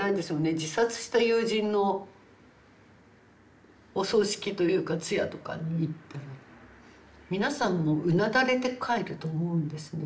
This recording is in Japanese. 自殺した友人のお葬式というか通夜とかに行ったら皆さんもうなだれて帰ると思うんですね。